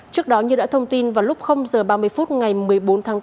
trước đó như đã thông tin vào lúc h ba mươi phút ngày một mươi bốn tháng bốn